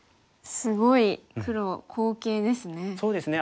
すごい黒好形ですね。